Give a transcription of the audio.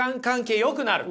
よくなる。